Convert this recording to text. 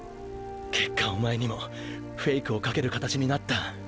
結果おまえにもフェイクをかける形になった。